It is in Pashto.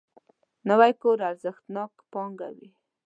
نوی کور ارزښتناک پانګه وي